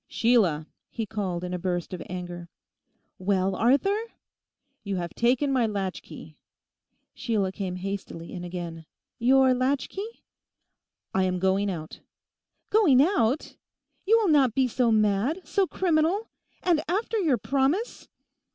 'Sheila!' he called in a burst of anger. 'Well, Arthur?' 'You have taken my latchkey.' Sheila came hastily in again. 'Your latchkey?' 'I am going out.' '"Going out!"—you will not be so mad, so criminal; and after your promise!